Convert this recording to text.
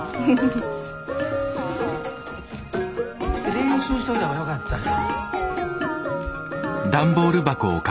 練習しといたほうがよかったんや。